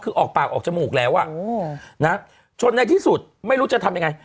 คือออกปากออกจมูกแล้วอ่ะนะจนในที่สุดไม่รู้จะทำยังไง